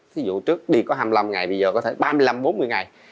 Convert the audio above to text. thí dụ trước đi có hai mươi năm ngày bây giờ có thể ba mươi năm bốn mươi ngày